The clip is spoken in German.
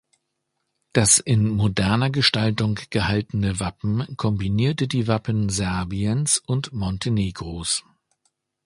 Das in moderner Gestaltung gehaltene Wappen kombinierte die Wappen Serbiens und Montenegros.